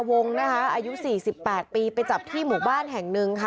วงนะคะอายุ๔๘ปีไปจับที่หมู่บ้านแห่งหนึ่งค่ะ